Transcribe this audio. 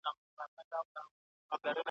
د ټولني عامه سرنوشت تر شخصي ګټو زيات اړين دی.